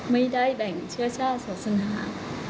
ไม่ได้แบ่งเชื้อชาติศาสนา